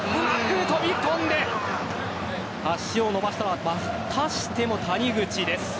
飛び込んで足を伸ばしたのはまたしても谷口です。